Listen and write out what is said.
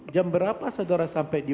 jam berapa saudara sampai di